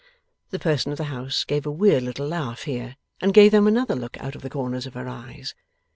The person of the house gave a weird little laugh here, and gave them another look out of the corners of her eyes.